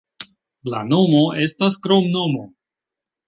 La nomo estas kromnomo.